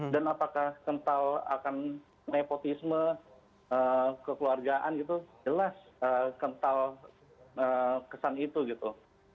dan apakah kental akan nepotisme kekeluargaan gitu jelas kental kesan itu gitu